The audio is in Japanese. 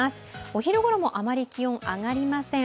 お昼ごろもあまり気温上がりません。